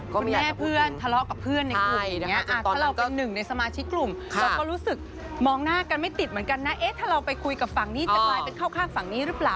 คุณแม่เพื่อนทะเลาะกับเพื่อนในกลุ่มอย่างนี้ถ้าเราเป็นหนึ่งในสมาชิกกลุ่มเราก็รู้สึกมองหน้ากันไม่ติดเหมือนกันนะเอ๊ะถ้าเราไปคุยกับฝั่งนี้จะกลายเป็นเข้าข้างฝั่งนี้หรือเปล่า